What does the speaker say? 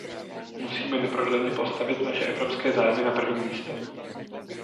Musíme neprodleně postavit naše evropské zájmy na první místo.